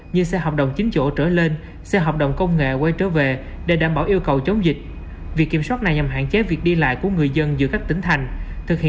như xe hợp đồng chính chỗ trở lên xe hợp đồng công nghệ quay trở về để đảm bảo yêu cầu chống dịch